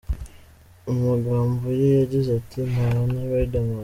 Mu magambo ye yagize ati :“ naba na Riderman !